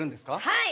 はい！